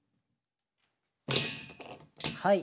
はい。